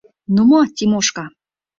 — Ну мо, Тимошка!